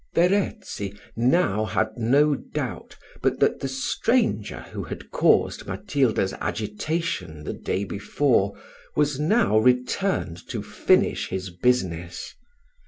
Verezzi had now no doubt but that the stranger, who had caused Matilda's agitation the day before, was now returned to finish his business.